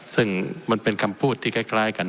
ซึ่งมันเป็นคำพูดที่คล้ายกัน